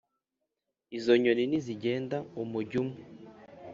Izo nyoni ntizigenda umujyo umwe